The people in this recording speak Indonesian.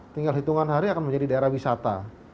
tinggal hitungan hari akan menjadi daerah wisata